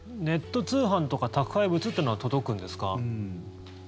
ネット通販とか宅配物というのは届くんですか？